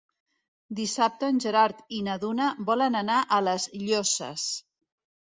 Dissabte en Gerard i na Duna volen anar a les Llosses.